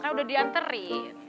kan udah diantri